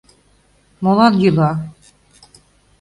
Молан йӱла?